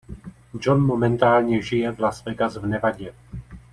John momentálně žije v Las Vegas v Nevadě.